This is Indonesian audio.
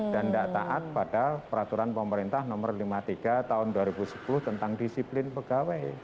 dan tidak taat pada peraturan pemerintah nomor lima puluh tiga tahun dua ribu sepuluh tentang disiplin pegawai